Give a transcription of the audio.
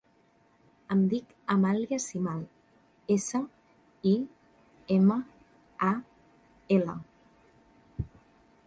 Em dic Amàlia Simal: essa, i, ema, a, ela.